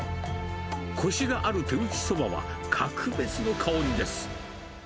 こしがある手打ちそばは格別の香りです。